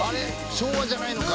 昭和じゃないのか。